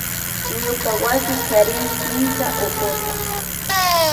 Ñuka wasi charin kimsa tukuta